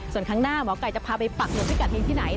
ส่วนข้างหน้าหมอไก่จะพาไปปักหมวดพิกัดเฮงที่ไหน